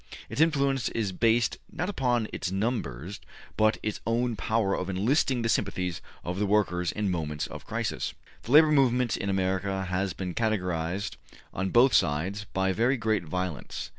Its influence is based, not upon its numbers, but upon its power of enlisting the sympathies of the workers in moments of crisis. The labor movement in America has been characterized on both sides by very great violence.